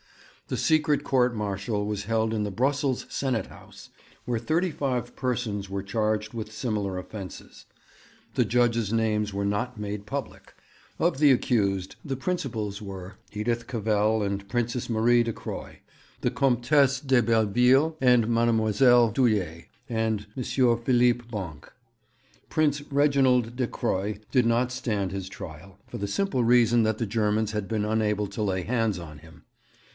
The secret court martial was held in the Brussels Senate House, where thirty five persons were charged with similar offences. The judges' names were not made public. Of the accused, the principal were Edith Cavell and Princess Marie de Croy, the Comtesse de Belleville and Mademoiselle Thulier, and M. Philippe Bancq. Prince Reginald de Croy did not stand his trial, for the simple reason that the Germans had been unable to lay hands on him.